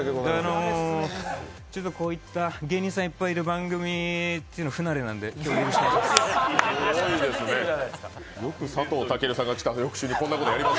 こういった芸人さんいっぱいいる番組って不慣れなので今日はよろしくお願いします。